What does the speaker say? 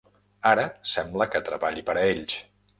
Ara sembla que treballi per a ells.